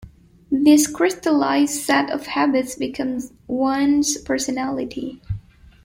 This crystallised set of habits becomes one's personality.